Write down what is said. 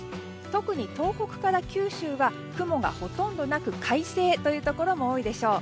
特に東北から九州は雲がほとんどなく快晴というところも多いでしょう。